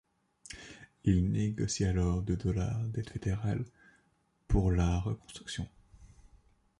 Il négocie alors de dollars d'aides fédérales pour la reconstruction.